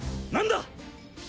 「何だ！」